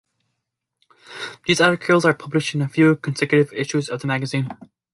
These articles are published in a few consecutive issues of the magazine.